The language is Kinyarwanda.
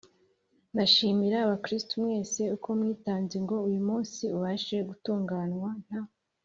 ndashimira abakristu mwese uko mwitanze ngo uyu munsi ubashe gutunganywa, nta